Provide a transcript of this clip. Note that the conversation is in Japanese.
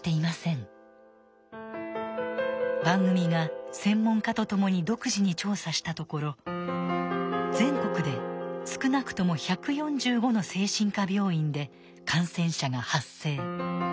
番組が専門家とともに独自に調査したところ全国で少なくとも１４５の精神科病院で感染者が発生。